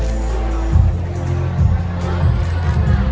สโลแมคริปราบาล